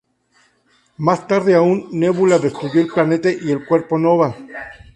Más tarde aún, Nebula destruyó el planeta y el Cuerpo Nova.